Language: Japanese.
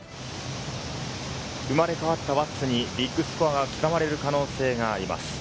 生まれ変わった輪厚にビッグスコアが刻まれる可能性があります。